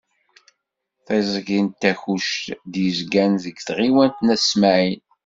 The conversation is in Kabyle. Tiẓgi n Takkuct i d-yezgan deg tɣiwant n At Smaεel.